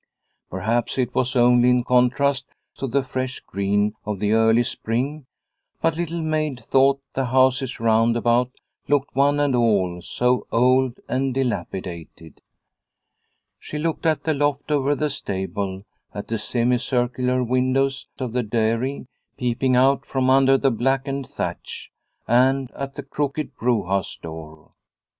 Perhaps it was only in contrast to the fresh green of the early spring, but Little Maid thought the houses round about looked one and all so old and dilapidated. She looked at the loft over the stable, at the semicircular windows of the dairy peeping out from under the blackened thatch, and at the crooked brewhouse door.